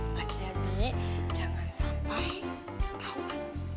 makanya bibi jangan sampai ketauan